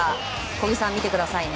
小木さん、見てください。